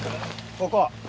ここ？